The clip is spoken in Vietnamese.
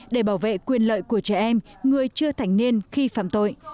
để bảo vệ quyền lợi của trẻ em người chưa thành niên khi phạm tội